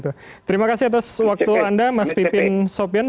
terima kasih atas waktu anda mas wipin sopyan